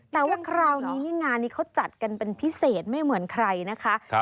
แต่ว่าคราวนี้นี่งานนี้เขาจัดกันเป็นพิเศษไม่เหมือนใครนะคะ